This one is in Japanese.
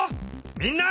みんな！